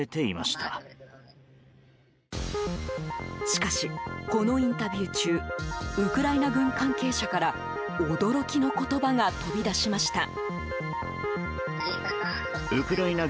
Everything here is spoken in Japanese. しかし、このインタビュー中ウクライナ軍関係者から驚きの言葉が飛び出しました。